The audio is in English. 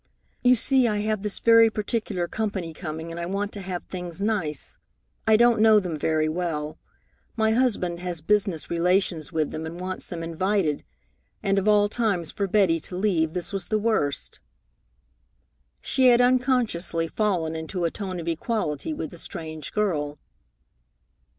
You see, I have this very particular company coming, and I want to have things nice. I don't know them very well. My husband has business relations with them and wants them invited, and of all times for Betty to leave this was the worst!" She had unconsciously fallen into a tone of equality with the strange girl.